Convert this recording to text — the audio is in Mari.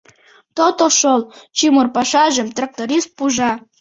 То-то шол, чумыр пашажым тракторист пужа.